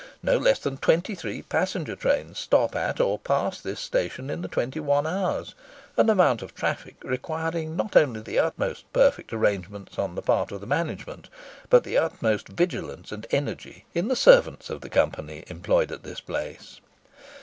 No less than 23 passenger trains stop at or pass this station in the 21 hours—an amount of traffic requiring not only the utmost perfect arrangements on the part of the management, but the utmost vigilance and energy in the servants of the Company employed at this place."